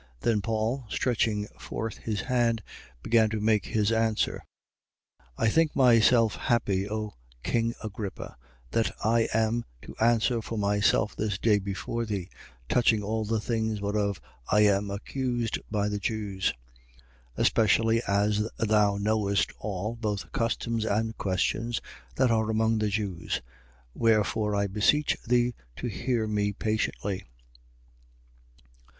Then Paul, stretching forth his hand, began to make his answer. 26:2. I think myself happy, O king Agrippa, that I am to answer for myself this day before thee, touching all the things whereof I am accused by the Jews. 26:3. Especially as thou knowest all, both customs and questions, that are among the Jews. Wherefore I beseech thee to hear me patiently.